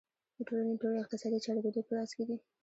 د ټولنې ټولې اقتصادي چارې د دوی په لاس کې دي